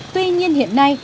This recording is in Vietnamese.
tuy nhiên hiện nay